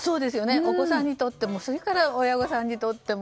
お子さんにとっても、それから親御さんにとっても。